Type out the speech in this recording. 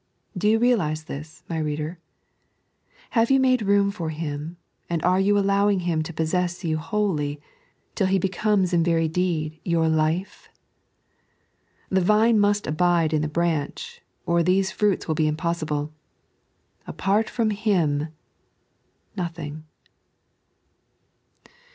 Do you realize this, my reader ! Have you made room for Him, and are you allowing Him to possess you wholly, till He becomes in very deed yom life ? The vine must abide in the branch, or these fruits will be impossible. *' Apart from Him, ... nothing."